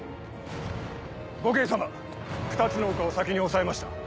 呉慶様２つの丘を先に押さえました。